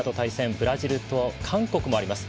ブラジルと韓国もあります。